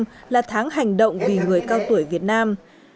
và tháng một mươi hàng năm là tháng hành động vì người cao tuổi việt nam